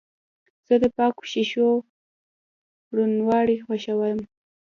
زه د پاکو شیشو روڼوالی خوښوم.